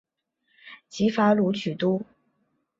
齐伐鲁取都。